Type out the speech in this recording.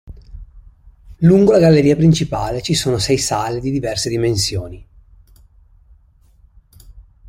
Lungo la galleria principale ci sono sei sale di diverse dimensioni.